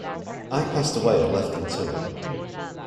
I passed away and left them to it.